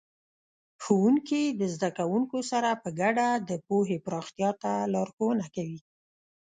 ښوونکي د زده کوونکو سره په ګډه د پوهې پراختیا ته لارښوونه کوي.